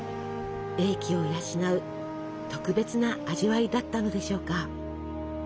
鋭気を養う特別な味わいだったのでしょうか。